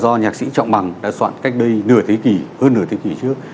do nhạc sĩ trọng bằng đã soạn cách đây nửa thế kỷ hơn nửa thế kỷ trước